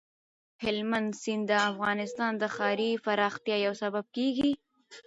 هلمند سیند د افغانستان د ښاري پراختیا یو سبب کېږي.